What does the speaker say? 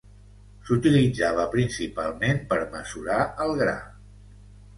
S'utilitzava principalment per mesurar el gra.